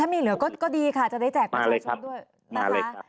ถ้าไม่เหลือก็ดีค่ะจะได้แจกกับเจ้าหน้าที่ด้วย